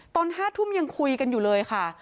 ตอน๕ทุ่มยังคุยกันอยู่เลยค่ะ